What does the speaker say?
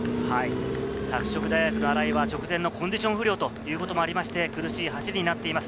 拓殖大学の新井は直前のコンディション不良ということもありまして、苦しい走りになっています。